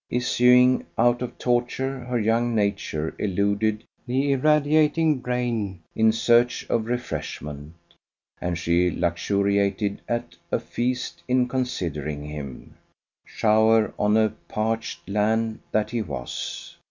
Issuing out of torture, her young nature eluded the irradiating brain in search of refreshment, and she luxuriated at a feast in considering him shower on a parched land that he was!